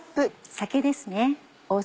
酒ですね。